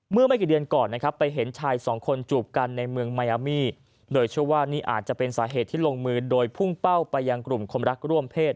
เมื่อไม่กี่เดือนก่อนนะครับไปเห็นชายสองคนจูบกันในเมืองมายอามี่โดยเชื่อว่านี่อาจจะเป็นสาเหตุที่ลงมือโดยพุ่งเป้าไปยังกลุ่มคนรักร่วมเพศ